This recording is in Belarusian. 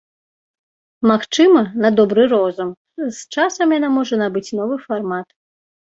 Магчыма, на добры розум, з часам яна можа набыць новы фармат.